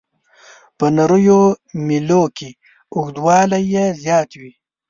په نریو میلو کې اوږدوالی یې زیات وي.